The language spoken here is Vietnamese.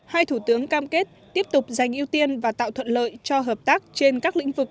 hai thủ tướng cam kết tiếp tục dành ưu tiên và tạo thuận lợi cho hợp tác trên các lĩnh vực